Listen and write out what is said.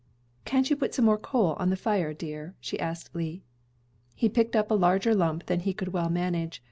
"Can't you put some more coal on the fire, dear?" she asked Lee. He picked up a larger lump than he could well manage.